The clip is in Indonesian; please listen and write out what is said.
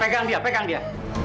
pegang dia pegang dia